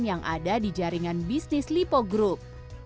yang ada di jaringan bisnis lipo group